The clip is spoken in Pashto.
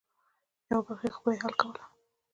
یوه برخه خو به یې حل کوله.